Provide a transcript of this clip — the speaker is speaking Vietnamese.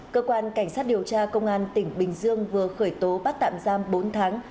cơ quan cảnh sát điều tra công an tỉnh bình dương vừa khởi tố bắt tạm giam bốn tháng